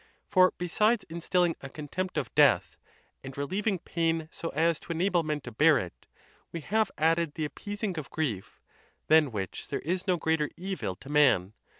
For besides instilling a contempt of death, and relieving pain so as to enable men to bear it, we have add ed the appeasing of grief, than which there is no greater evil to man.